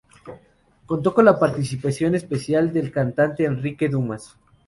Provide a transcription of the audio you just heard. Contó con la participación especial del cantante Enrique Dumas.